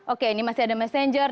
oke ini masih ada messenger